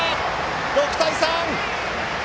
６対３！